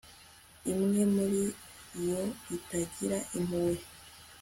Imwe muri yo itagira impuhwe